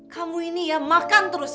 kamu ini ya makan terus